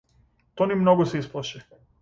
Тони многу се исплаши.